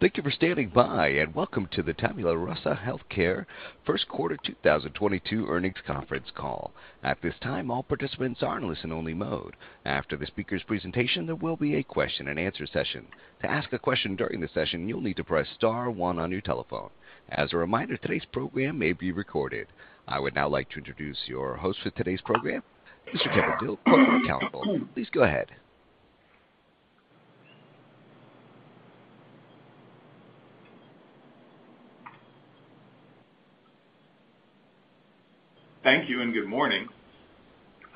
Thank you for standing by, and welcome to the Tabula Rasa HealthCare first quarter 2022 earnings conference call. At this time, all participants are in listen only mode. After the speaker's presentation, there will be a question and answer session. To ask a question during the session, you'll need to press star one on your telephone. As a reminder, today's program may be recorded. I would now like to introduce your host for today's program, Mr. Kevin Dill, Corporate Counsel. Please go ahead. Thank you and good morning.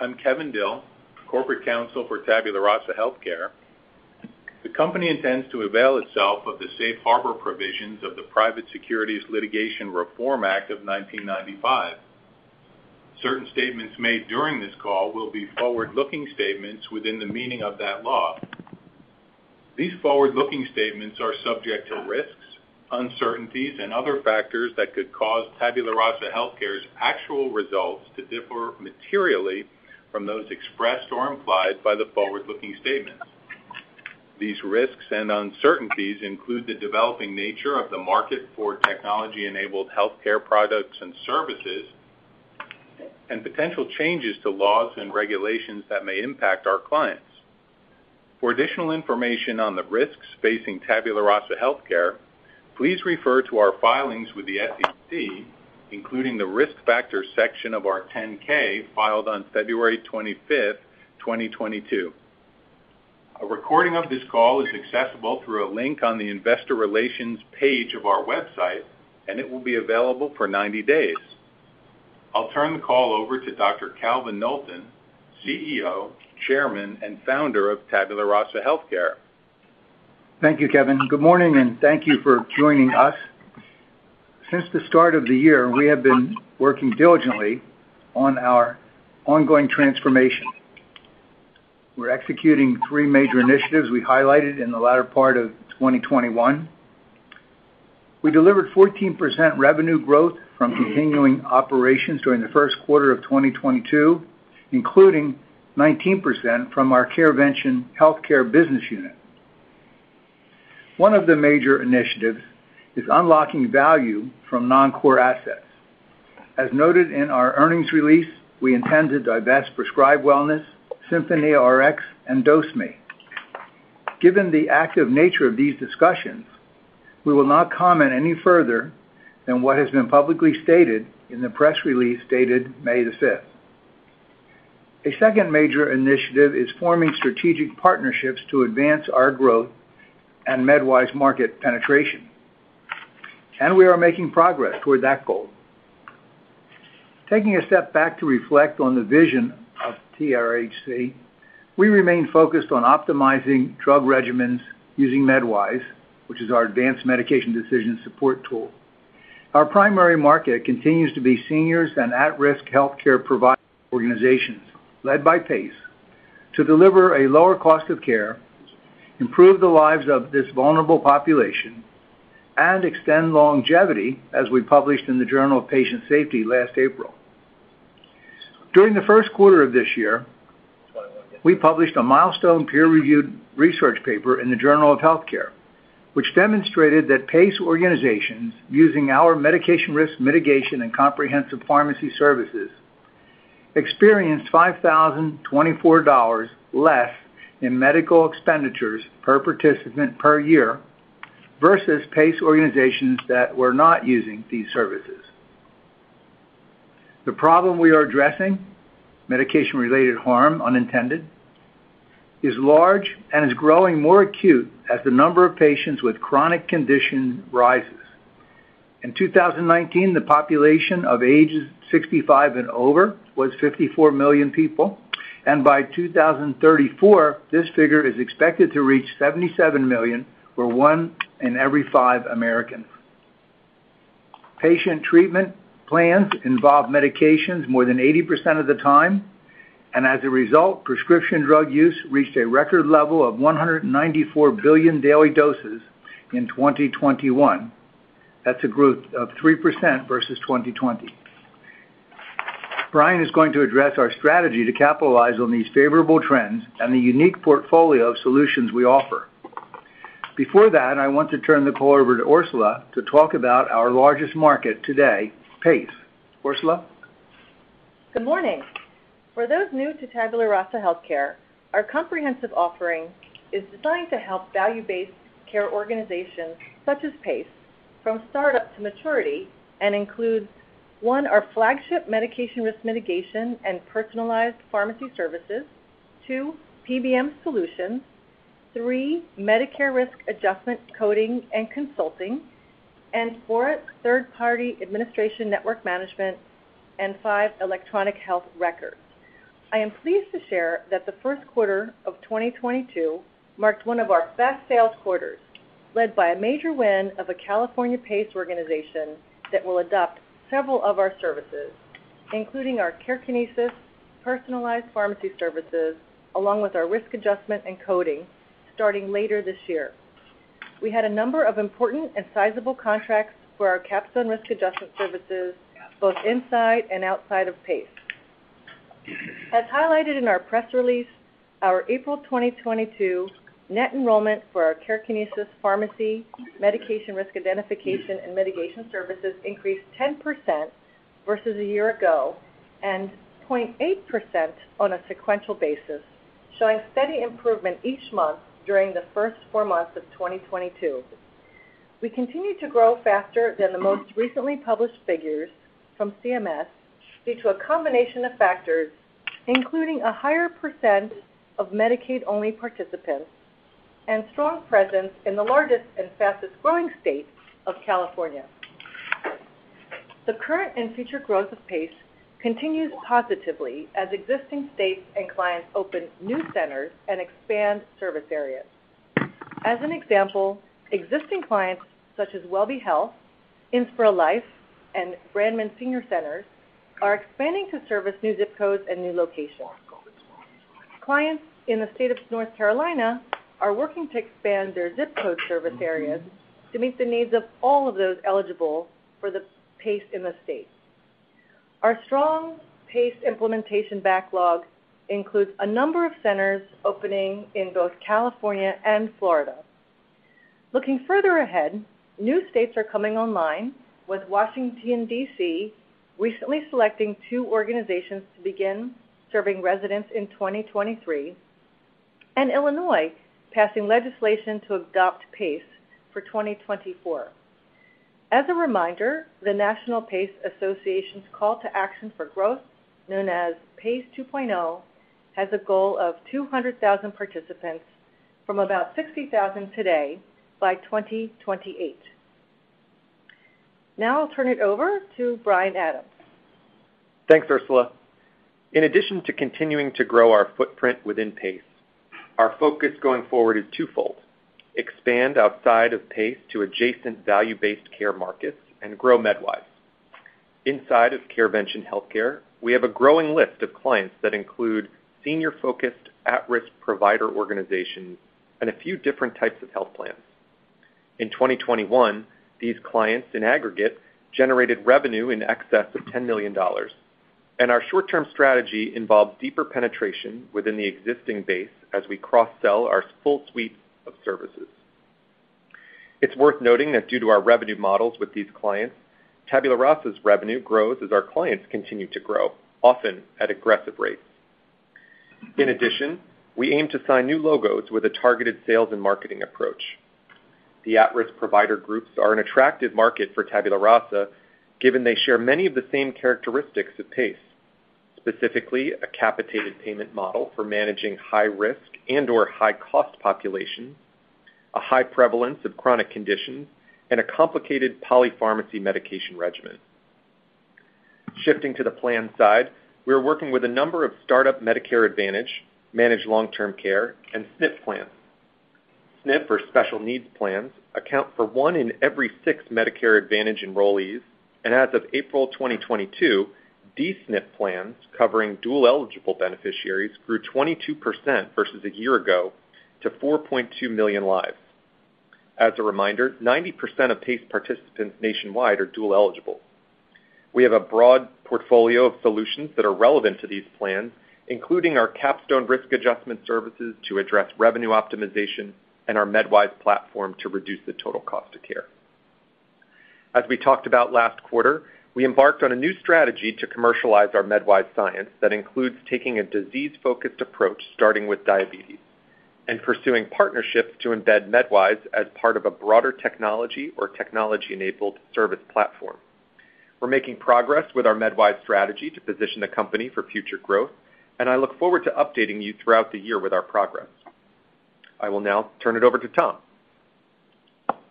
I'm Kevin Dill, Corporate Counsel for Tabula Rasa HealthCare. The company intends to avail itself of the safe harbor provisions of the Private Securities Litigation Reform Act of 1995. Certain statements made during this call will be forward-looking statements within the meaning of that law. These forward-looking statements are subject to risks, uncertainties and other factors that could cause Tabula Rasa HealthCare's actual results to differ materially from those expressed or implied by the forward-looking statements. These risks and uncertainties include the developing nature of the market for technology-enabled healthcare products and services and potential changes to laws and regulations that may impact our clients. For additional information on the risks facing Tabula Rasa HealthCare, please refer to our filings with the SEC, including the Risk Factors section of our 10-K filed on February 25, 2022. A recording of this call is accessible through a link on the investor relations page of our website, and it will be available for 90 days. I'll turn the call over to Dr. Calvin Knowlton, CEO, Chairman, and Founder of Tabula Rasa HealthCare. Thank you, Kevin. Good morning, and thank you for joining us. Since the start of the year, we have been working diligently on our ongoing transformation. We're executing three major initiatives we highlighted in the latter part of 2021. We delivered 14% revenue growth from continuing operations during the first quarter of 2022, including 19% from our CareVention HealthCare business unit. One of the major initiatives is unlocking value from non-core assets. As noted in our earnings release, we intend to divest PrescribeWellness, SinfoníaRx, and DoseMe. Given the active nature of these discussions, we will not comment any further than what has been publicly stated in the press release dated May 5. A second major initiative is forming strategic partnerships to advance our growth and MedWise market penetration. We are making progress toward that goal. Taking a step back to reflect on the vision of TRHC, we remain focused on optimizing drug regimens using MedWise, which is our advanced medication decision support tool. Our primary market continues to be seniors and at-risk healthcare provider organizations led by PACE to deliver a lower cost of care, improve the lives of this vulnerable population, and extend longevity, as we published in the Journal of Patient Safety last April. During the first quarter of this year, we published a milestone peer-reviewed research paper in the Journal of Healthcare, which demonstrated that PACE organizations using our medication risk mitigation and comprehensive pharmacy services experienced $5,024 less in medical expenditures per participant per year versus PACE organizations that were not using these services. The problem we are addressing, medication-related harm unintended, is large and is growing more acute as the number of patients with chronic condition rises. In 2019, the population of ages 65 and over was 54 million people, and by 2034, this figure is expected to reach 77 million, or one in every five Americans. Patient treatment plans involve medications more than 80% of the time, and as a result, prescription drug use reached a record level of 194 billion daily doses in 2021. That's a growth of 3% versus 2020. Brian is going to address our strategy to capitalize on these favorable trends and the unique portfolio of solutions we offer. Before that, I want to turn the call over to Orsula to talk about our largest market today, PACE. Orsula? Good morning. For those new to Tabula Rasa HealthCare, our comprehensive offering is designed to help value-based care organizations such as PACE from startup to maturity and includes, one, our flagship medication risk mitigation and personalized pharmacy services, two, PBM solutions, three, Medicare risk adjustment coding and consulting, four, third-party administration network management, and five, electronic health records. I am pleased to share that the first quarter of 2022 marked one of our best sales quarters, led by a major win of a California PACE organization that will adopt several of our services, including our CareKinesis personalized pharmacy services along with our risk adjustment and coding starting later this year. We had a number of important and sizable contracts for our Capstone risk adjustment services, both inside and outside of PACE. As highlighted in our press release, our April 2022 net enrollment for our CareKinesis pharmacy medication risk identification and mitigation services increased 10% versus a year ago and 0.8% on a sequential basis, showing steady improvement each month during the first four months of 2022. We continue to grow faster than the most recently published figures from CMS due to a combination of factors, including a higher percent of Medicaid-only participants and strong presence in the largest and fastest-growing state of California. The current and future growth of PACE continues positively as existing states and clients open new centers and expand service areas. As an example, existing clients such as WelbeHealth, Inspira LIFE, and Brandman Centers for Senior Care are expanding to service new zip codes and new locations. Clients in the state of North Carolina are working to expand their zip code service areas to meet the needs of all of those eligible for the PACE in the state. Our strong PACE implementation backlog includes a number of centers opening in both California and Florida. Looking further ahead, new states are coming online, with Washington, D.C. recently selecting two organizations to begin serving residents in 2023, and Illinois passing legislation to adopt PACE for 2024. As a reminder, the National PACE Association's call to action for growth, known as PACE 2.0, has a goal of 200,000 participants from about 60,000 today by 2028. Now I'll turn it over to Brian Adams. Thanks, Orsula. In addition to continuing to grow our footprint within PACE, our focus going forward is twofold, expand outside of PACE to adjacent value-based care markets and grow MedWise. Inside of CareVention HealthCare, we have a growing list of clients that include senior-focused at-risk provider organizations and a few different types of health plans. In 2021, these clients in aggregate generated revenue in excess of $10 million, and our short-term strategy involves deeper penetration within the existing base as we cross-sell our full suite of services. It's worth noting that due to our revenue models with these clients, Tabula Rasa's revenue grows as our clients continue to grow, often at aggressive rates. In addition, we aim to sign new logos with a targeted sales and marketing approach. The at-risk provider groups are an attractive market for Tabula Rasa, given they share many of the same characteristics of PACE, specifically a capitated payment model for managing high-risk and/or high-cost population, a high prevalence of chronic conditions, and a complicated polypharmacy medication regimen. Shifting to the plan side, we are working with a number of start-up, Medicare Advantage, Managed Long-Term Care, and SNP plans. SNP, or Special Needs Plans, account for one in every six Medicare Advantage enrollees, and as of April 2022, D-SNP plans covering dual-eligible beneficiaries grew 22% versus a year ago to 4.2 million lives. As a reminder, 90% of PACE participants nationwide are dual-eligible. We have a broad portfolio of solutions that are relevant to these plans, including our Capstone risk adjustment services to address revenue optimization and our MedWise platform to reduce the total cost of care. As we talked about last quarter, we embarked on a new strategy to commercialize our MedWise science that includes taking a disease-focused approach, starting with diabetes, and pursuing partnerships to embed MedWise as part of a broader technology or technology-enabled service platform. We're making progress with our MedWise strategy to position the company for future growth, and I look forward to updating you throughout the year with our progress. I will now turn it over to Tom.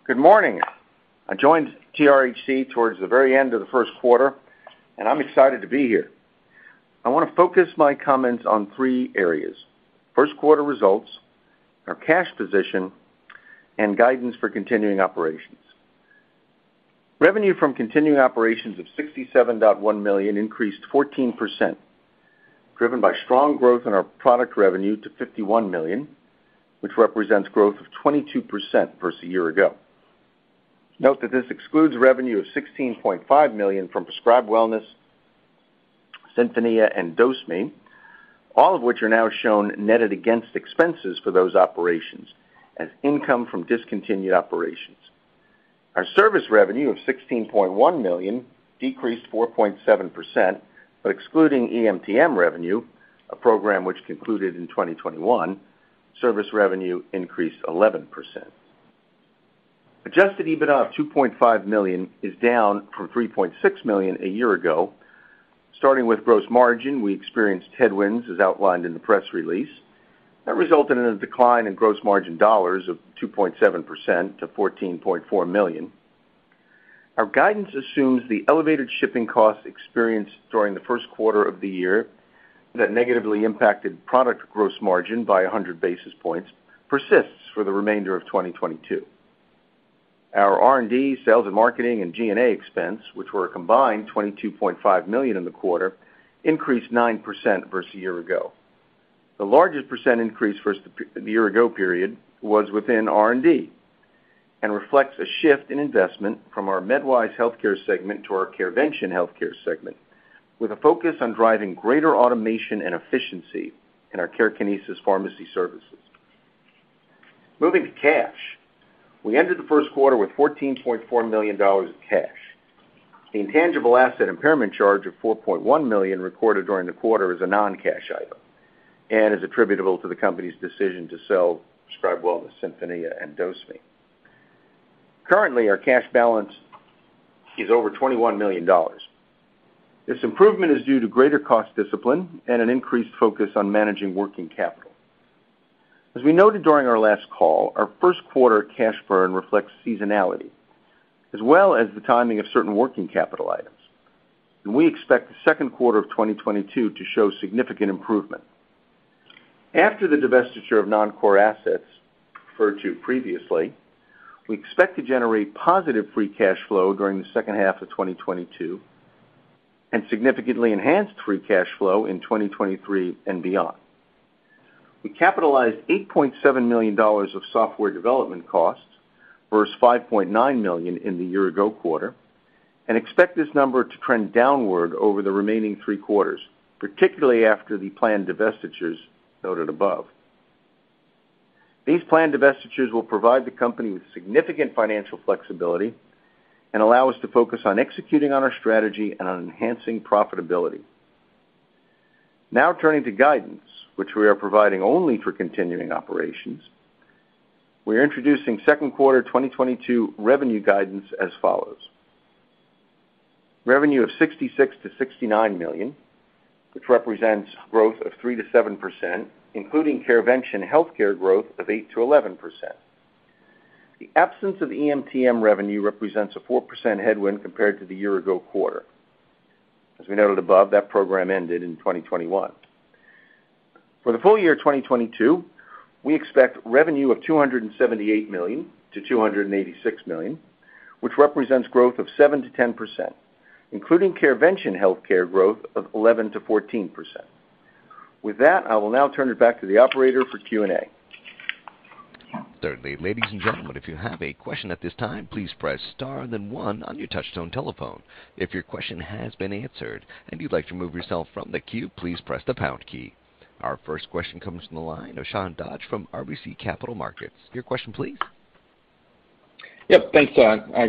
Good morning. I joined TRHC towards the very end of the first quarter, and I'm excited to be here. I wanna focus my comments on three areas, first quarter results, our cash position, and guidance for continuing operations. Revenue from continuing operations of $67.1 million increased 14%, driven by strong growth in our product revenue to $51 million, which represents growth of 22% versus a year ago. Note that this excludes revenue of $16.5 million from PrescribeWellness, SinfoníaRx, and DoseMe, all of which are now shown netted against expenses for those operations as income from discontinued operations. Our service revenue of $16.1 million decreased 4.7%, but excluding EMTM revenue, a program which concluded in 2021, service revenue increased 11%. Adjusted EBITDA of $2.5 million is down from $3.6 million a year ago. Starting with gross margin, we experienced headwinds as outlined in the press release. That resulted in a decline in gross margin dollars of 2.7% to $14.4 million. Our guidance assumes the elevated shipping costs experienced during the first quarter of the year that negatively impacted product gross margin by 100 basis points persists for the remainder of 2022. Our R&D, sales and marketing, and G&A expense, which were a combined $22.5 million in the quarter, increased 9% versus a year ago. The largest percent increase versus the year-ago period was within R&D and reflects a shift in investment from our MedWise HealthCare segment to our CareVention HealthCare segment, with a focus on driving greater automation and efficiency in our CareKinesis pharmacy services. Moving to cash. We entered the first quarter with $14.4 million of cash. The intangible asset impairment charge of $4.1 million recorded during the quarter is a non-cash item and is attributable to the company's decision to sell PrescribeWellness, SinfoníaRx and DoseMe. Currently, our cash balance is over $21 million. This improvement is due to greater cost discipline and an increased focus on managing working capital. As we noted during our last call, our first quarter cash burn reflects seasonality as well as the timing of certain working capital items, and we expect the second quarter of 2022 to show significant improvement. After the divestiture of non-core assets referred to previously, we expect to generate positive free cash flow during the second half of 2022, and significantly enhanced free cash flow in 2023 and beyond. We capitalized $8.7 million of software development costs versus $5.9 million in the year-ago quarter, and expect this number to trend downward over the remaining three quarters, particularly after the planned divestitures noted above. These planned divestitures will provide the company with significant financial flexibility and allow us to focus on executing on our strategy and on enhancing profitability. Now turning to guidance, which we are providing only for continuing operations. We're introducing second quarter 2022 revenue guidance as follows: Revenue of $66 million-$69 million, which represents growth of 3%-7%, including CareVention HealthCare growth of 8%-11%. The absence of EMTM revenue represents a 4% headwind compared to the year-ago quarter. As we noted above, that program ended in 2021. For the full year 2022, we expect revenue of $278 million-$286 million, which represents growth of 7%-10%, including CareVention HealthCare growth of 11%-14%. With that, I will now turn it back to the operator for Q&A. Certainly. Ladies and gentlemen, if you have a question at this time, please press star and then one on your touch tone telephone. If your question has been answered and you'd like to remove yourself from the queue, please press the pound key. Our first question comes from the line of Sean Dodge from RBC Capital Markets. Your question please. Yep, thanks.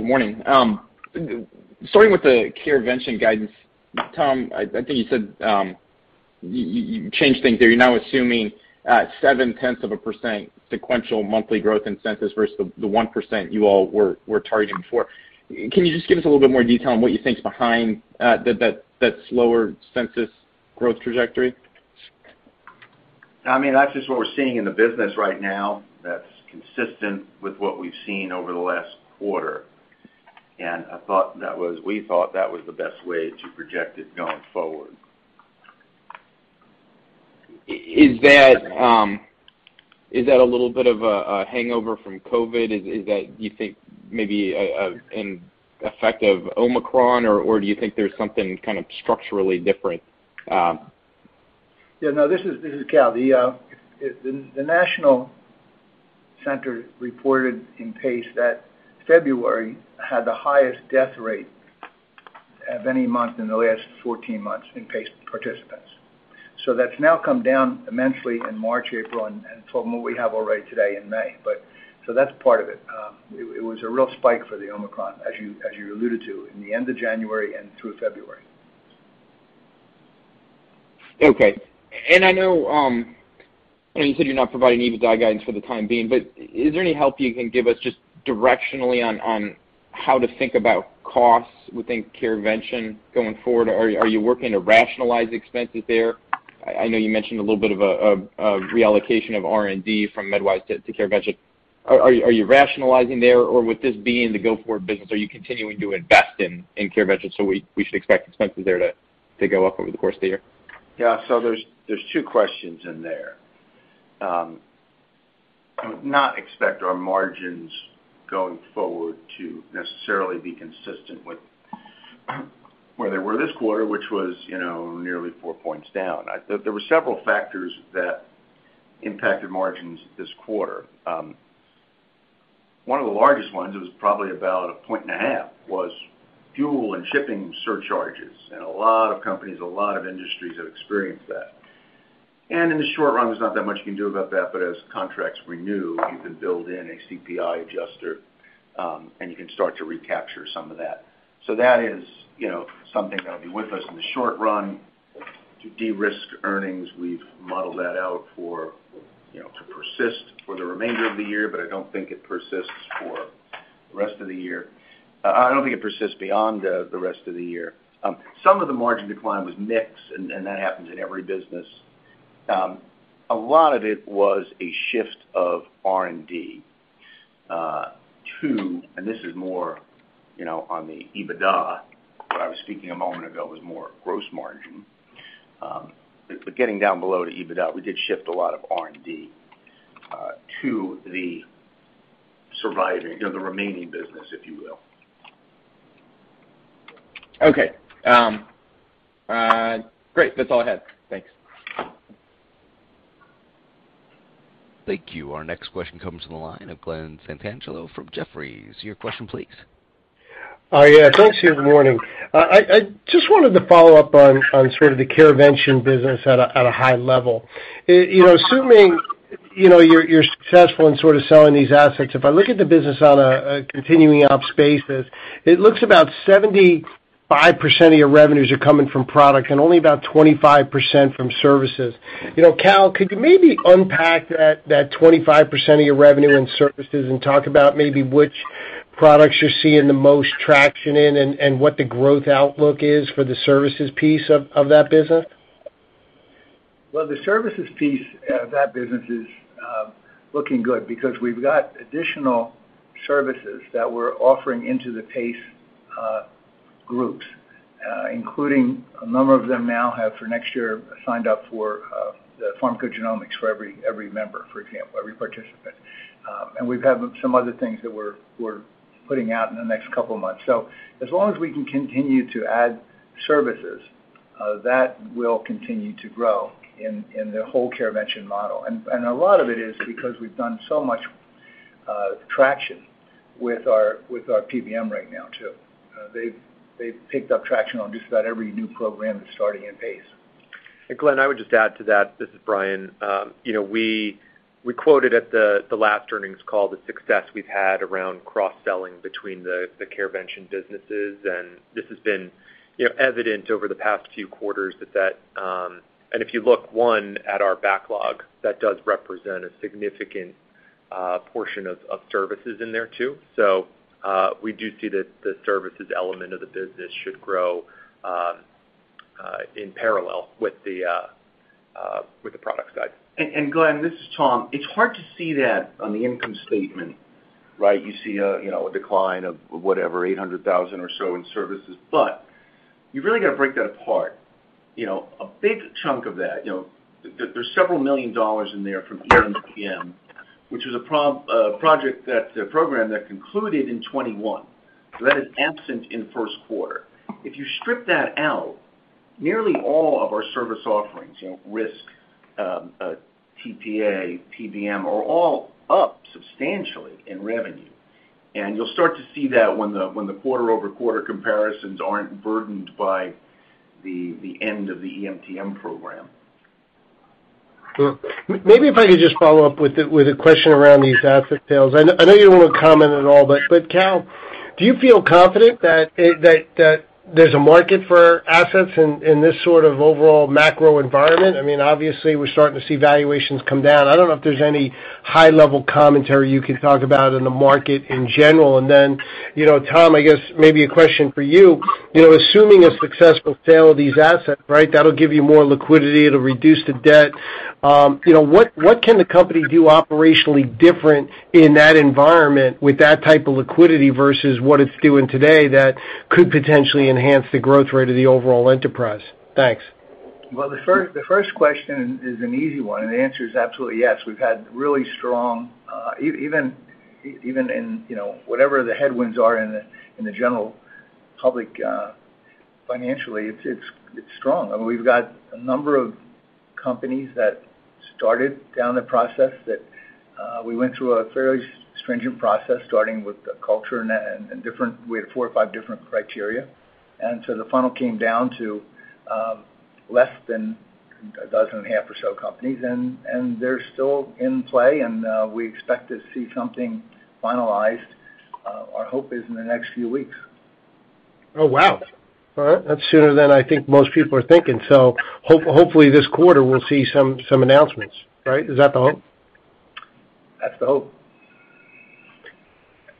Morning. Starting with the CareVention guidance, Tom, I think you said you changed things there. You're now assuming 0.7% sequential monthly growth in census versus the 1% you all were targeting before. Can you just give us a little bit more detail on what you think is behind that slower census growth trajectory? I mean, that's just what we're seeing in the business right now that's consistent with what we've seen over the last quarter. We thought that was the best way to project it going forward. Is that a little bit of a hangover from COVID? Is that you think maybe an effect of Omicron, or do you think there's something kind of structurally different? Yeah. No, this is Cal. The National Center reported in PACE that February had the highest death rate of any month in the last 14 months in PACE participants. That's now come down immensely in March, April, and from what we have already today in May. That's part of it. It was a real spike for the Omicron, as you alluded to, in the end of January and through February. Okay. I know you said you're not providing EBITDA guidance for the time being, but is there any help you can give us just directionally on how to think about costs within CareVention going forward? Are you working to rationalize expenses there? I know you mentioned a little bit of a reallocation of R&D from MedWise to CareVention. Are you rationalizing there? Or with this being the go-forward business, are you continuing to invest in CareVention, so we should expect expenses there to go up over the course of the year? Yeah. There's two questions in there. I would not expect our margins going forward to necessarily be consistent with where they were this quarter, which was, you know, nearly 4 points down. There were several factors that impacted margins this quarter. One of the largest ones, it was probably about 1.5 points, was fuel and shipping surcharges. A lot of companies, a lot of industries have experienced that. In the short run, there's not that much you can do about that. As contracts renew, you can build in a CPI adjuster, and you can start to recapture some of that. That is, you know, something that'll be with us in the short run. To de-risk earnings, we've modeled that out for, you know, to persist for the remainder of the year, but I don't think it persists for the rest of the year. I don't think it persists beyond the rest of the year. Some of the margin decline was mix, and that happens in every business. A lot of it was a shift of R&D, and this is more, you know, on the EBITDA. What I was speaking a moment ago was more gross margin. Getting down below to EBITDA, we did shift a lot of R&D to the surviving or the remaining business, if you will. Okay. Great. That's all I had. Thanks. Thank you. Our next question comes from the line of Glen Santangelo from Jefferies. Your question, please. Oh, yeah. Thanks. Good morning. I just wanted to follow up on sort of the CareVention business at a high level. You know, assuming you know, you're successful in sort of selling these assets, if I look at the business on a continuing ops basis, it looks about 75% of your revenues are coming from product and only about 25% from services. You know, Cal, could you maybe unpack that 25% of your revenue in services and talk about maybe which products you're seeing the most traction in and what the growth outlook is for the services piece of that business? Well, the services piece of that business is looking good because we've got additional services that we're offering into the PACE groups, including a number of them now have for next year signed up for the pharmacogenomics for every member, for example, every participant. We've had some other things that we're putting out in the next couple of months. As long as we can continue to add services, that will continue to grow in the whole CareVention model. A lot of it is because we've done so much traction with our PBM right now too. They've picked up traction on just about every new program that's starting in PACE. Glenn, I would just add to that. This is Brian. You know, we quoted at the last earnings call the success we've had around cross-selling between the CareVention businesses, and this has been you know evident over the past few quarters. If you look at our backlog, that does represent a significant portion of services in there too. We do see that the services element of the business should grow in parallel with the product side. Glenn, this is Tom. It's hard to see that on the income statement, right? You see, you know, a decline of whatever, $800,000 or so in services. But you've really gotta break that apart. You know, a big chunk of that, you know, there's several million dollars in there from EMTM, which is a program that concluded in 2021. So that is absent in first quarter. If you strip that out, nearly all of our service offerings, you know, risk, TPA, PBM, are all up substantially in revenue. You'll start to see that when the quarter-over-quarter comparisons aren't burdened by the end of the EMTM program. Maybe if I could just follow up with a question around these asset sales. I know you don't wanna comment at all, but Cal, do you feel confident that there's a market for assets in this sort of overall macro environment? I mean, obviously we're starting to see valuations come down. I don't know if there's any high-level commentary you can talk about in the market in general. You know, Tom, I guess maybe a question for you. You know, assuming a successful sale of these assets, right? That'll give you more liquidity. It'll reduce the debt. You know, what can the company do operationally different in that environment with that type of liquidity versus what it's doing today that could potentially enhance the growth rate of the overall enterprise? Thanks. Well, the first question is an easy one, and the answer is absolutely yes. We've had really strong, even in, you know, whatever the headwinds are in the general public, financially, it's strong. I mean, we've got a number of companies that started down the process that we went through a fairly stringent process, starting with the culture and that, we had four or five different criteria. The funnel came down to less than a dozen and a half or so companies. They're still in play and we expect to see something finalized, our hope is in the next few weeks. Oh, wow. All right. That's sooner than I think most people are thinking. Hopefully this quarter we'll see some announcements, right? Is that the hope? That's the hope.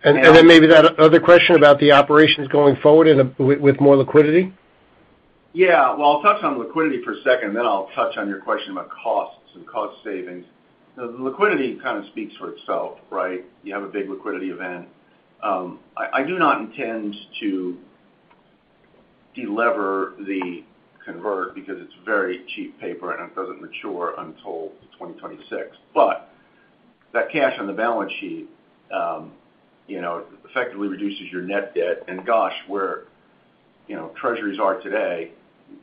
Maybe that other question about the operations going forward with more liquidity. Yeah. Well, I'll touch on liquidity for a second, and then I'll touch on your question about costs and cost savings. The liquidity kind of speaks for itself, right? You have a big liquidity event. I do not intend to de-lever the convert because it's very cheap paper and it doesn't mature until 2026. That cash on the balance sheet, you know, effectively reduces your net debt. Gosh, you know, where treasuries are today,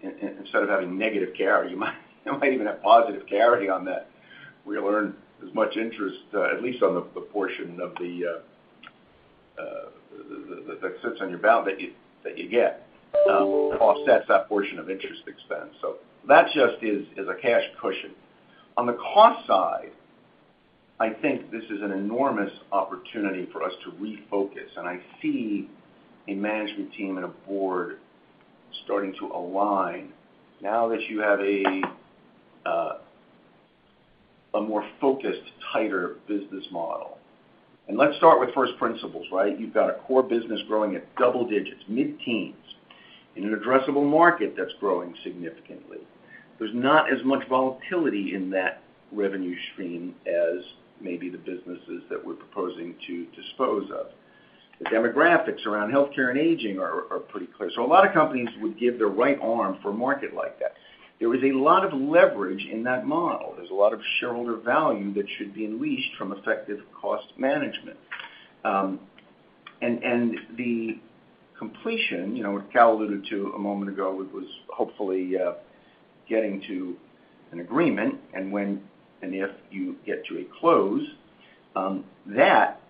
instead of having negative carry, you might even have positive carry on that, where you'll earn as much interest, at least on the portion of the cash that sits on your balance sheet that you get. Offsets that portion of interest expense. That just is a cash cushion. On the cost side, I think this is an enormous opportunity for us to refocus, and I see a management team and a board starting to align now that you have a more focused, tighter business model. Let's start with first principles, right? You've got a core business growing at double digits, mid-teens, in an addressable market that's growing significantly. There's not as much volatility in that revenue stream as maybe the businesses that we're proposing to dispose of. The demographics around healthcare and aging are pretty clear. A lot of companies would give their right arm for a market like that. There was a lot of leverage in that model. There's a lot of shareholder value that should be unleashed from effective cost management. The completion, you know, what Cal alluded to a moment ago, it was hopefully getting to an agreement. When and if you get to a close, that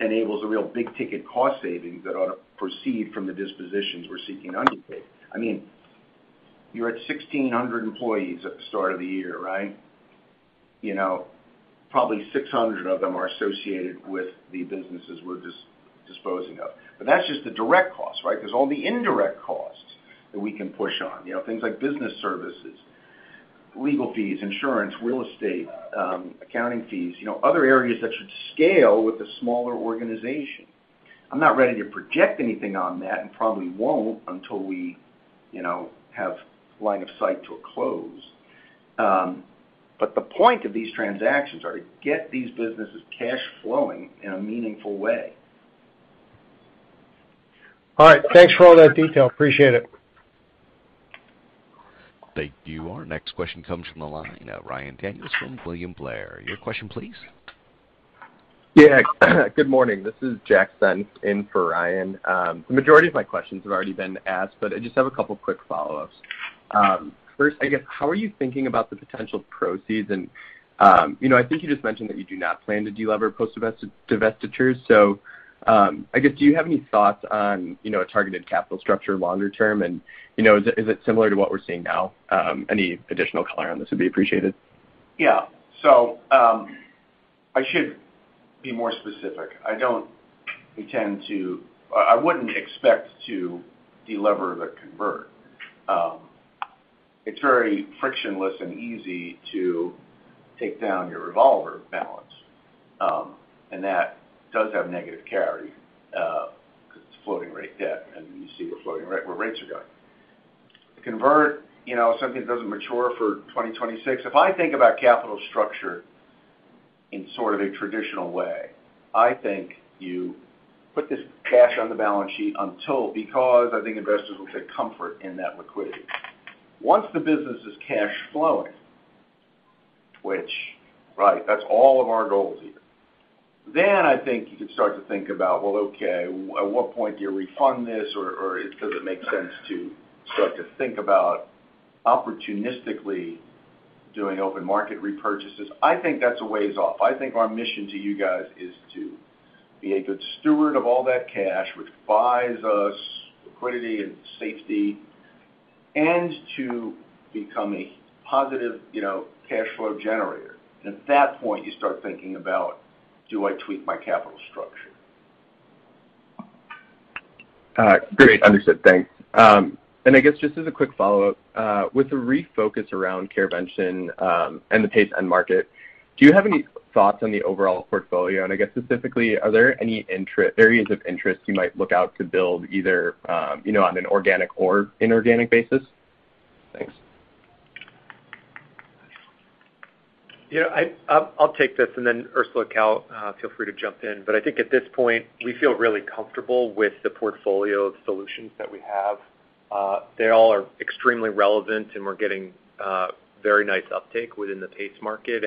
enables a real big ticket cost savings that ought to proceed from the dispositions we're seeking underway today. I mean, you're at 1,600 employees at the start of the year, right? You know, probably 600 of them are associated with the businesses we're disposing of. That's just the direct costs, right? There's all the indirect costs that we can push down on, you know, things like business services, legal fees, insurance, real estate, accounting fees, you know, other areas that should scale with the smaller organization. I'm not ready to project anything on that and probably won't until we, you know, have line of sight to a close. The point of these transactions are to get these businesses cash flowing in a meaningful way. All right. Thanks for all that detail. Appreciate it. Thank you. Our next question comes from the line of Ryan Daniels from William Blair. Your question, please. Yeah. Good morning. This is Jack Senft in for Ryan. The majority of my questions have already been asked, but I just have a couple of quick follow-ups. First, I guess, how are you thinking about the potential proceeds? You know, I think you just mentioned that you do not plan to de-lever post-divestitures. I guess, do you have any thoughts on, you know, a targeted capital structure longer term? And, you know, is it similar to what we're seeing now? Any additional color on this would be appreciated. Yeah. I should be more specific. I wouldn't expect to delever the convert. It's very frictionless and easy to take down your revolver balance. And that does have negative carry, because it's floating rate debt, and you see where rates are going. The convert, you know, something doesn't mature for 2026. If I think about capital structure in sort of a traditional way, I think you put this cash on the balance sheet until, because I think investors will take comfort in that liquidity. Once the business is cash flowing, which, right, that's all of our goals here, then I think you can start to think about, well, okay, at what point do you refund this or does it make sense to start to think about opportunistically doing open market repurchases? I think that's a ways off. I think our mission to you guys is to be a good steward of all that cash, which buys us liquidity and safety, and to become a positive, you know, cash flow generator. At that point, you start thinking about, do I tweak my capital structure? All right. Great. Understood. Thanks. I guess just as a quick follow-up, with the refocus around CareVention, and the PACE end market, do you have any thoughts on the overall portfolio? I guess specifically, are there any other areas of interest you might look to build either, you know, on an organic or inorganic basis? Thanks. I'll take this, and then Orsula, Cal, feel free to jump in. I think at this point, we feel really comfortable with the portfolio of solutions that we have. They all are extremely relevant, and we're getting very nice uptake within the PACE market.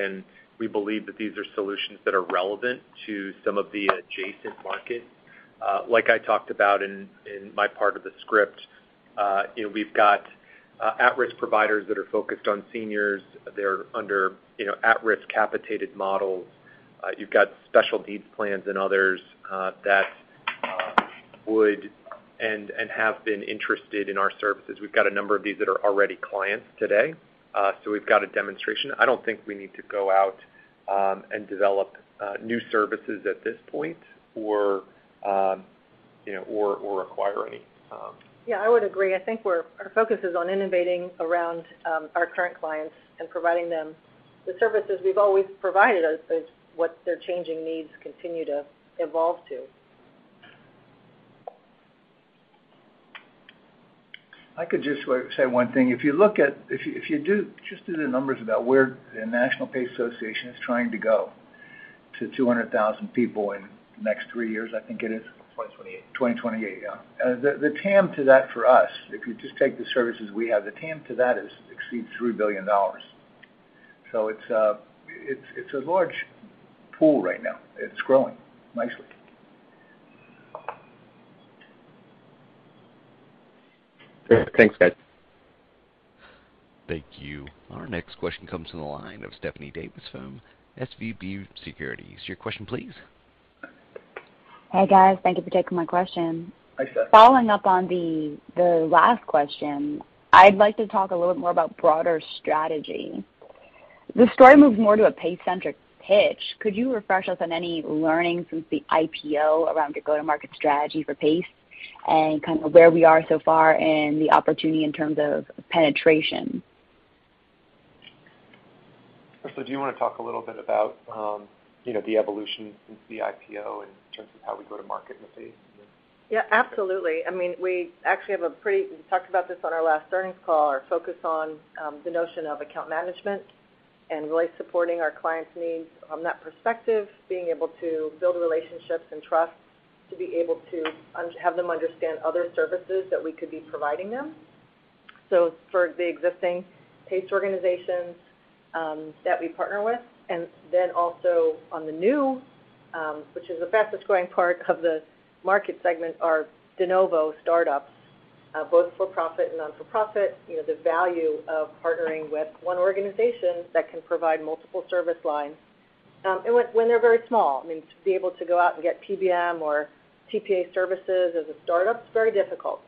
We believe that these are solutions that are relevant to some of the adjacent markets. Like I talked about in my part of the script, you know, we've got at-risk providers that are focused on seniors. They're under, you know, at-risk capitated models. You've got Special Needs Plans and others that would and have been interested in our services. We've got a number of these that are already clients today. We've got a demonstration. I don't think we need to go out and develop new services at this point or you know or acquire any. Yeah, I would agree. I think our focus is on innovating around our current clients and providing them the services we've always provided as what their changing needs continue to evolve to. I could just say one thing. If you just do the numbers about where the National PACE Association is trying to go, to 200,000 people in the next 3 years, I think it is. 2028. 2028, yeah. The TAM to that for us, if you just take the services we have, the TAM to that exceeds $3 billion. It's a large pool right now. It's growing nicely. Great. Thanks, guys. Thank you. Our next question comes from the line of Stephanie Davis from SVB Securities. Your question, please. Hey, guys. Thank you for taking my question. Following up on the last question, I'd like to talk a little bit more about broader strategy. The story moves more to a PACE-centric pitch. Could you refresh us on any learnings since the IPO around your go-to-market strategy for PACE and kind of where we are so far and the opportunity in terms of penetration? Do you wanna talk a little bit about, you know, the evolution since the IPO in terms of how we go to market in the PACE? Yeah, absolutely. I mean, we talked about this on our last earnings call, our focus on the notion of account management and really supporting our clients' needs from that perspective, being able to build relationships and trust. To be able to have them understand other services that we could be providing them. For the existing PACE organizations that we partner with, and then also on the new, which is the fastest-growing part of the market segment, are de novo startups, both for-profit and not-for-profit. You know, the value of partnering with one organization that can provide multiple service lines, and when they're very small. I mean, to be able to go out and get PBM or TPA services as a startup is very difficult.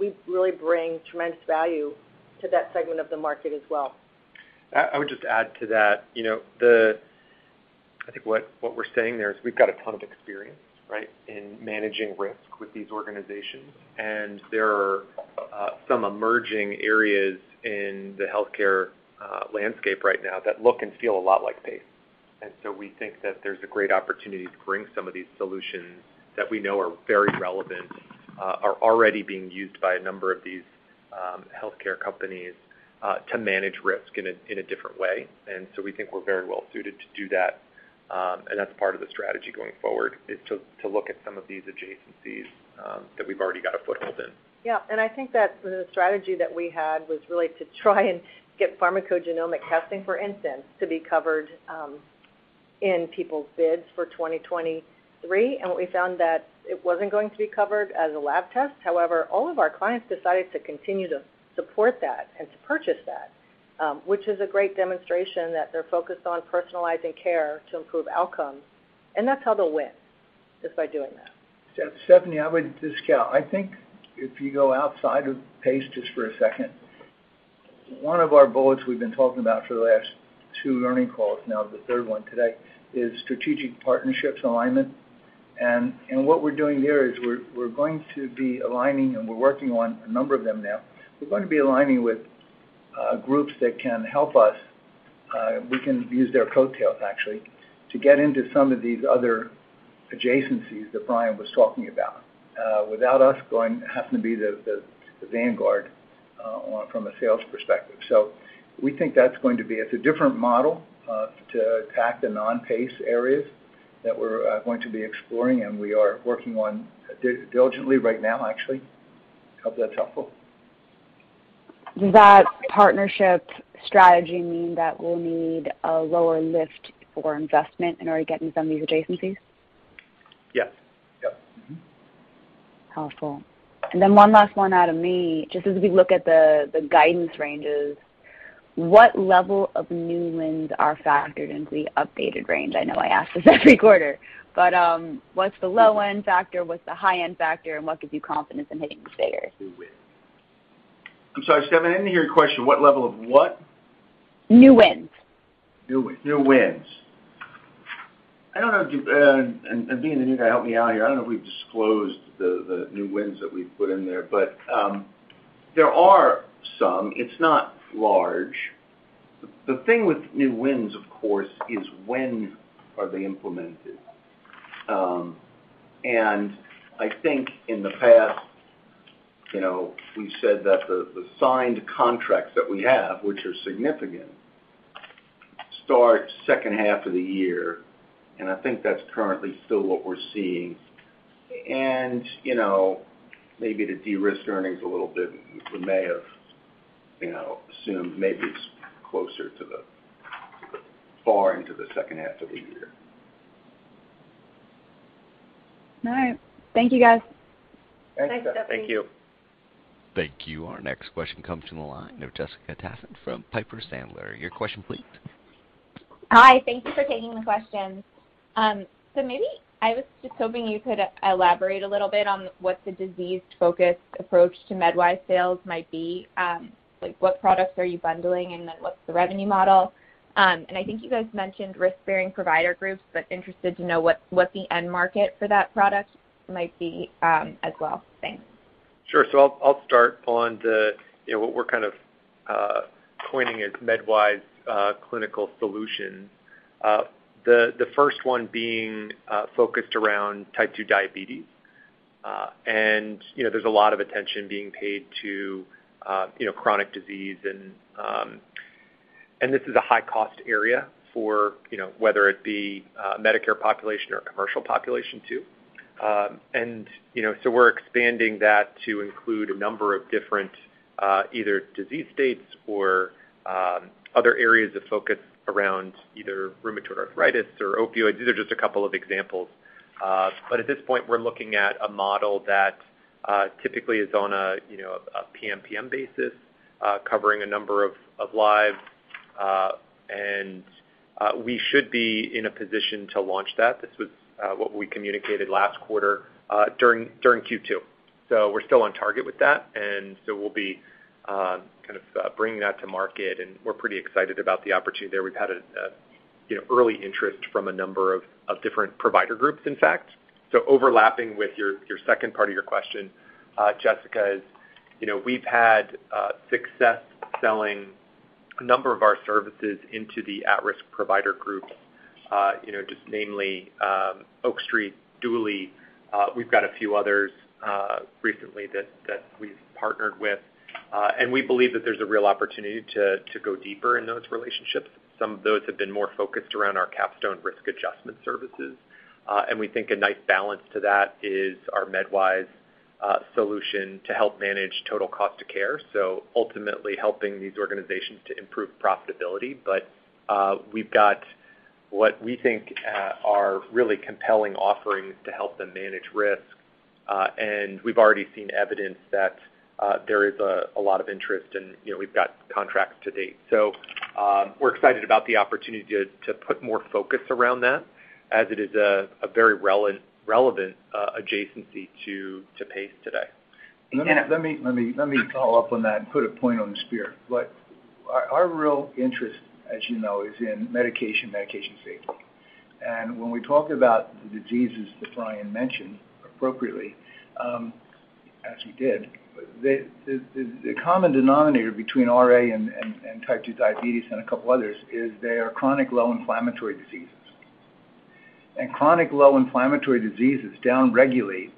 We really bring tremendous value to that segment of the market as well. I would just add to that. You know, I think what we're saying there is we've got a ton of experience, right? In managing risk with these organizations. There are some emerging areas in the healthcare landscape right now that look and feel a lot like PACE. We think that there's a great opportunity to bring some of these solutions that we know are very relevant, are already being used by a number of these healthcare companies, to manage risk in a different way. We think we're very well suited to do that, and that's part of the strategy going forward, is to look at some of these adjacencies that we've already got a foothold in. Yeah. I think that the strategy that we had was really to try and get pharmacogenomic testing, for instance, to be covered in people's bids for 2023. What we found that it wasn't going to be covered as a lab test. However, all of our clients decided to continue to support that and to purchase that, which is a great demonstration that they're focused on personalizing care to improve outcomes, and that's how they'll win, is by doing that. Stephanie, just yeah, I think if you go outside of PACE just for a second, one of our bullets we've been talking about for the last two earnings calls now, the third one today, is strategic partnerships alignment. What we're doing here is we're going to be aligning, and we're working on a number of them now. We're going to be aligning with groups that can help us, we can use their coattails actually, to get into some of these other adjacencies that Brian was talking about, without us having to be the vanguard from a sales perspective. We think that's going to be. It's a different model to attack the non-PACE areas that we're going to be exploring, and we are working on diligently right now, actually. Hope that's helpful. Does that partnership strategy mean that we'll need a lower lift for investment in order to get into some of these adjacencies? Yes. Yep. Powerful. One last one out of me. Just as we look at the guidance ranges, what level of new wins are factored into the updated range? I know I ask this every quarter. What's the low-end factor, what's the high-end factor, and what gives you confidence in hitting the figure? New wins. I'm sorry, Stephanie, I didn't hear your question. What level of what? New wins. New wins. New wins. I don't know if you. And Dean and Anita, help me out here. I don't know if we've disclosed the new wins that we've put in there. There are some. It's not large. The thing with new wins, of course, is when are they implemented? I think in the past, you know, we said that the signed contracts that we have, which are significant, start second half of the year. I think that's currently still what we're seeing. You know, maybe to de-risk earnings a little bit, we may have, you know, assumed maybe it's closer to the far into the second half of the year. All right. Thank you, guys. Thanks, Stephanie. Thank you. Thank you. Our next question comes from the line of Jessica Tassan from Piper Sandler. Your question please. Hi. Thank you for taking the questions. Maybe I was just hoping you could elaborate a little bit on what the disease-focused approach to MedWise sales might be. Like, what products are you bundling, and then what's the revenue model? I think you guys mentioned risk-bearing provider groups, but interested to know what the end market for that product might be, as well? Thanks. Sure. I'll start on the you know what we're kind of coining as MedWise Clinical Solutions. The first one being focused around type 2 diabetes. You know, there's a lot of attention being paid to you know chronic disease and this is a high-cost area for you know whether it be a Medicare population or a commercial population too. You know, we're expanding that to include a number of different either disease states or other areas of focus around either rheumatoid arthritis or opioids. These are just a couple of examples. At this point, we're looking at a model that typically is on a you know a PMPM basis covering a number of lives. We should be in a position to launch that. This was what we communicated last quarter during Q2. We're still on target with that. We'll be kind of bringing that to market, and we're pretty excited about the opportunity there. We've had you know early interest from a number of different provider groups, in fact. Overlapping with your second part of your question, Jessica, is you know we've had success selling a number of our services into the at-risk provider groups. You know just namely Oak Street, Duly, we've got a few others recently that we've partnered with. We believe that there's a real opportunity to go deeper in those relationships. Some of those have been more focused around our Capstone risk adjustment services. We think a nice balance to that is our MedWise solution to help manage total cost of care, so ultimately helping these organizations to improve profitability. We've got what we think are really compelling offerings to help them manage risk. We've already seen evidence that there is a lot of interest, and you know, we've got contracts to date. We're excited about the opportunity to put more focus around that as it is a very relevant adjacency to PACE today. Let me follow up on that and put a point on the spear. Our real interest, as you know, is in medication safety. When we talk about the diseases that Brian mentioned appropriately, as he did, the common denominator between RA and type 2 diabetes and a couple others is they are chronic low inflammatory diseases. Chronic low inflammatory diseases downregulate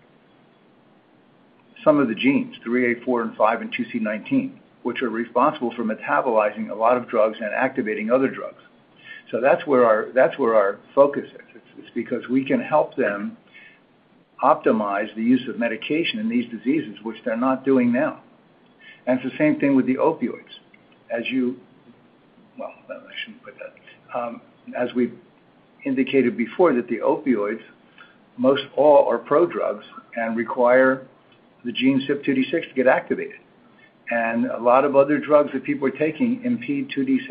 some of the genes, CYP3A4 and CYP3A5, and CYP2C19, which are responsible for metabolizing a lot of drugs and activating other drugs. That's where our focus is. It's because we can help them optimize the use of medication in these diseases, which they're not doing now. It's the same thing with the opioids. As we've indicated before, the opioids, most all are prodrugs and require the gene CYP2D6 to get activated. A lot of other drugs that people are taking impede CYP2D6.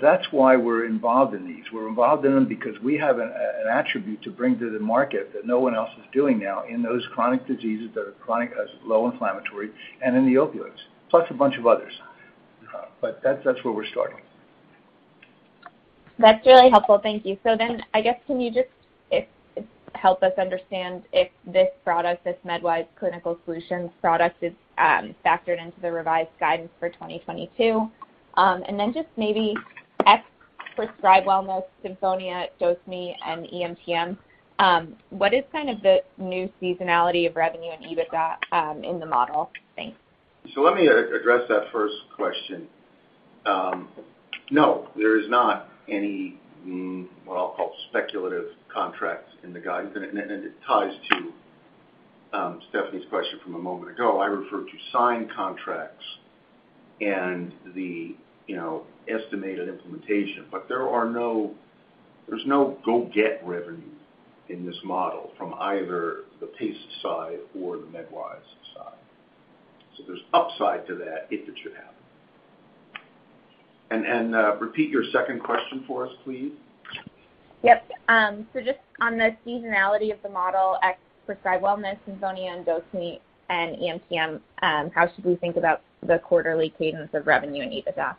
That's why we're involved in these. We're involved in them because we have an attribute to bring to the market that no one else is doing now in those chronic diseases that are chronic, low-inflammatory and in the opioids, plus a bunch of others. That's where we're starting. That's really helpful. Thank you. I guess can you just help us understand if this product, this MedWise Clinical Solutions product is factored into the revised guidance for 2022? Just maybe ex-PrescribeWellness, SinfoníaRx, DoseMe, and EMTM, what is kind of the new seasonality of revenue and EBITDA in the model? Thanks. Let me address that first question. No, there is not any, what I'll call speculative contracts in the guidance, and it ties to Stephanie's question from a moment ago. I referred to signed contracts and the, you know, estimated implementation. There's no go get revenue in this model from either the PACE side or the MedWise side. There's upside to that if it should happen. Repeat your second question for us, please. Yep. Just on the seasonality of the model ex-PrescribeWellness, SinfoníaRx, and DoseMe, and EMTM, how should we think about the quarterly cadence of revenue and EBITDA?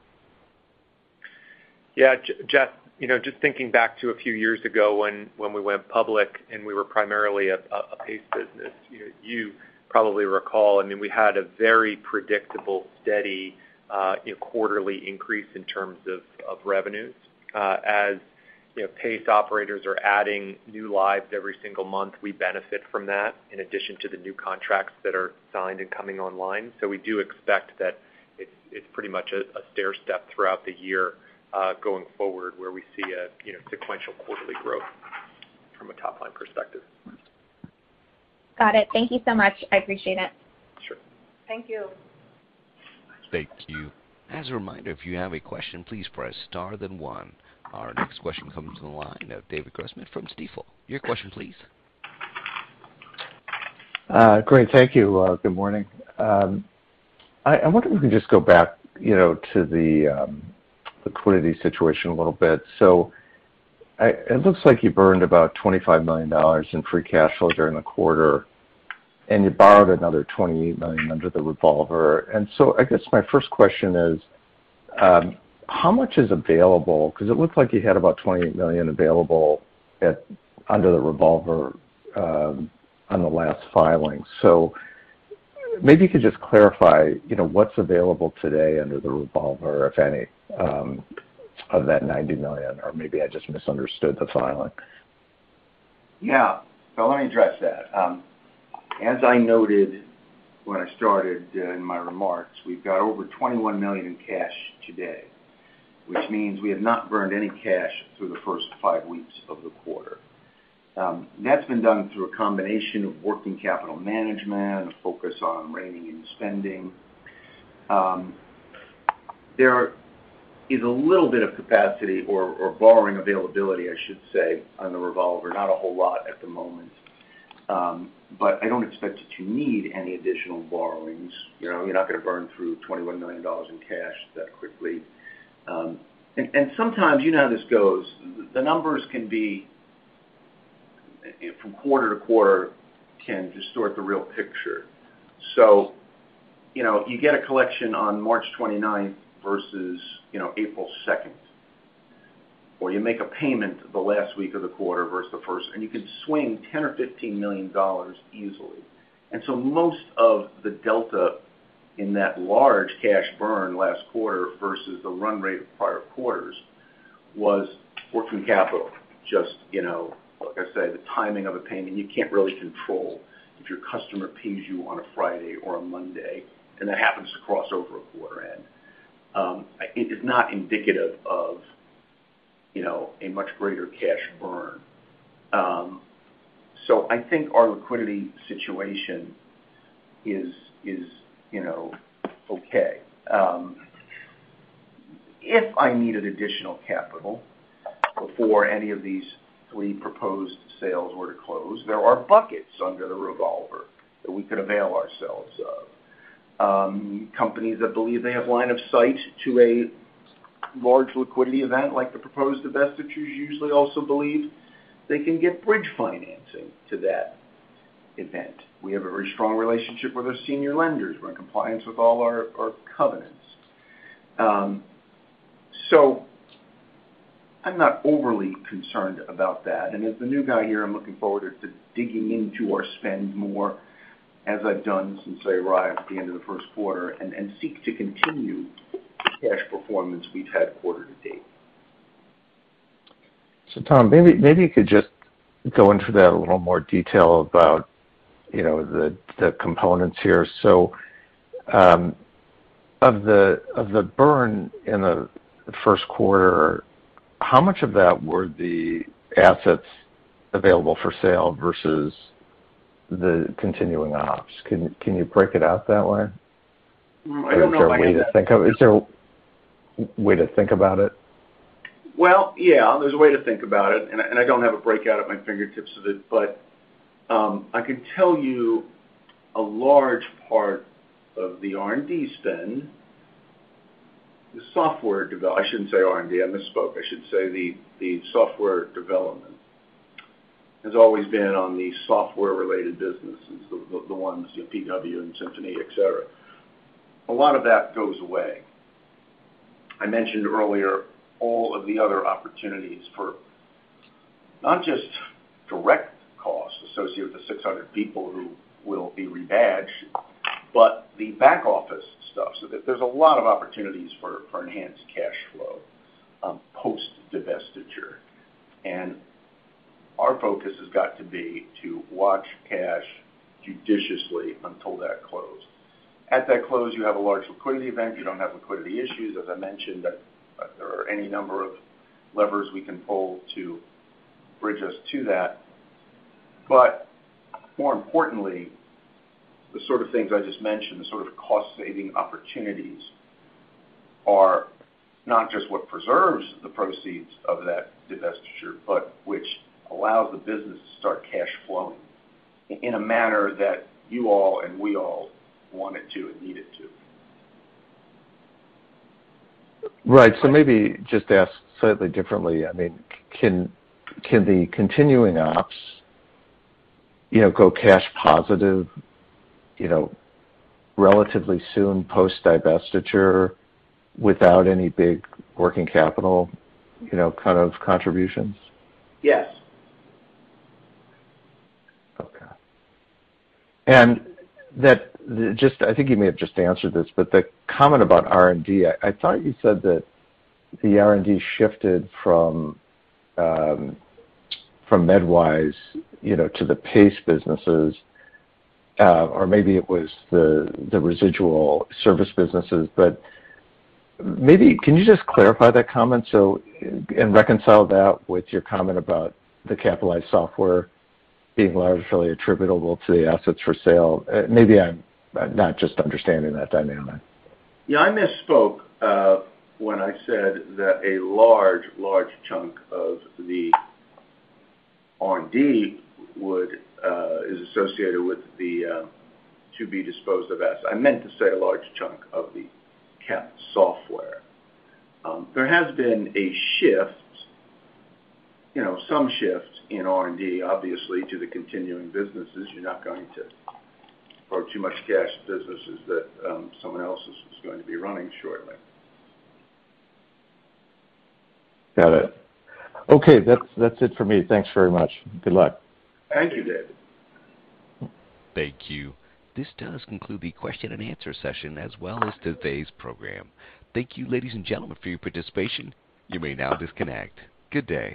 Yeah, Jess, you know, just thinking back to a few years ago when we went public, and we were primarily a PACE business, you probably recall, I mean, we had a very predictable, steady, quarterly increase in terms of revenues. As you know, PACE operators are adding new lives every single month, we benefit from that in addition to the new contracts that are signed and coming online. We do expect that it's pretty much a stairstep throughout the year, going forward, where we see a, you know, sequential quarterly growth from a top-line perspective. Got it. Thank you so much. I appreciate it. Sure. Thank you. Thank you. As a reminder, if you have a question, please press star then one. Our next question comes from the line of David Grossman from Stifel. Your question please. Great. Thank you. Good morning. I wonder if we can just go back, you know, to the liquidity situation a little bit. It looks like you burned about $25 million in free cash flow during the quarter, and you borrowed another $28 million under the revolver. I guess my first question is, how much is available? 'Cause it looks like you had about $28 million available under the revolver on the last filing. Maybe you could just clarify, you know, what's available today under the revolver, if any, of that $90 million, or maybe I just misunderstood the filing. Yeah. Let me address that. As I noted when I started, in my remarks, we've got over $21 million in cash today, which means we have not burned any cash through the first five weeks of the quarter. That's been done through a combination of working capital management, a focus on reining in spending. There is a little bit of capacity or borrowing availability, I should say, on the revolver, not a whole lot at the moment. I don't expect to need any additional borrowings. You know, you're not gonna burn through $21 million in cash that quickly. Sometimes, you know how this goes, the numbers, from quarter to quarter, can distort the real picture. You know, you get a collection on March 29th versus, you know, April 2nd, or you make a payment the last week of the quarter versus the first, and you could swing $10 million or $15 million easily. Most of the delta in that large cash burn last quarter versus the run rate of prior quarters. Was working capital. Just, you know, like I say, the timing of a payment, you can't really control if your customer pays you on a Friday or a Monday, and that happens to cross over a quarter end. It is not indicative of, you know, a much greater cash burn. So I think our liquidity situation is, you know, okay. If I needed additional capital before any of these three proposed sales were to close, there are buckets under the revolver that we could avail ourselves of. Companies that believe they have line of sight to a large liquidity event like the proposed divestitures usually also believe they can get bridge financing to that event. We have a very strong relationship with our senior lenders. We're in compliance with all our covenants. So I'm not overly concerned about that. As the new guy here, I'm looking forward to digging into our spend more as I've done since I arrived at the end of the first quarter, and seek to continue cash performance we've had quarter to date. Tom, maybe you could just go into that a little more detail about, you know, the components here. Of the burn in the first quarter, how much of that were the assets available for sale versus the continuing ops? Can you break it out that way? Is there a way to think about it? Well, yeah, there's a way to think about it. I don't have a breakout at my fingertips of it. I can tell you a large part of the R&D spend. I shouldn't say R&D. I misspoke. I should say the software development has always been on the software-related businesses, the ones, you know, PW and SinfoníaRx, et cetera. A lot of that goes away. I mentioned earlier all of the other opportunities for not just direct costs associated with the 600 people who will be rebadged, but the back office stuff. There's a lot of opportunities for enhanced cash flow post-divestiture. Our focus has got to be to watch cash judiciously until that close. At that close, you have a large liquidity event. You don't have liquidity issues, as I mentioned that there are any number of levers we can pull to bridge us to that. More importantly, the sort of things I just mentioned, the sort of cost saving opportunities are not just what preserves the proceeds of that divestiture, but which allows the business to start cash flowing in a manner that you all and we all want it to and need it to. Right. Maybe just ask slightly differently. I mean, can the continuing ops, you know, go cash positive, you know, relatively soon post divestiture without any big working capital, you know, kind of contributions? Yes. Okay. I think you may have just answered this, but the comment about R&D, I thought you said that the R&D shifted from MedWise, you know, to the PACE businesses, or maybe it was the residual service businesses. Maybe can you just clarify that comment so. Reconcile that with your comment about the capitalized software being largely attributable to the assets for sale. Maybe I'm not just understanding that dynamic. Yeah, I misspoke when I said that a large chunk of the R&D would is associated with the to be disposed of SinfoníaRx. I meant to say a large chunk of the Capstone software. There has been a shift, you know, some shift in R&D, obviously, to the continuing businesses. You're not going to pour too much cash to businesses that someone else is going to be running shortly. Got it. Okay. That's it for me. Thanks very much. Good luck. Thank you, David. Thank you. This does conclude the question and answer session as well as today's program. Thank you, ladies and gentlemen, for your participation. You may now disconnect. Good day.